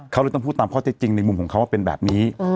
เขาเลยต้องพูดตามข้อเท็จจริงในมุมของเขาว่าเป็นแบบนี้